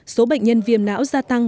số bệnh nhân viêm não gia tăng